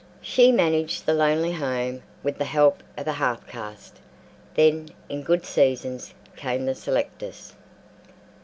She managed the lonely home with the help of a half caste. Then in good seasons came the selectors.